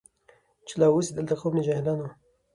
چي لا اوسي دلته قوم د جاهلانو